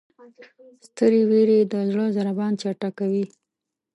سترې وېرې د زړه ضربان چټکوي.